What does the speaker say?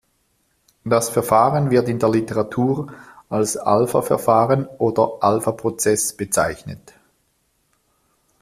Das Verfahren wird in der Literatur als Alpha-Verfahren oder Alpha-Prozess bezeichnet.